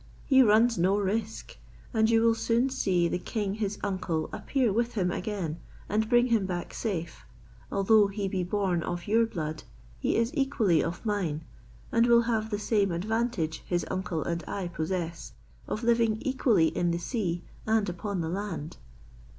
He runs no risk, and you will soon see the king his uncle appear with him again, and bring him back safe. Although he be born of your blood, he is equally of mine, and will have the same advantage his uncle and I possess, of living equally in the sea, and upon the land."